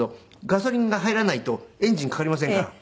ガソリンが入らないとエンジンかかりませんから。